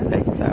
để chúng ta